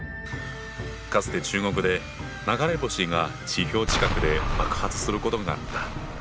かつて中国で流れ星が地表近くで爆発することがあった。